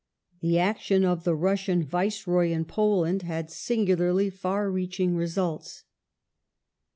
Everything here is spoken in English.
The action of the Russian Viceroy in Poland had singularly far reaching results.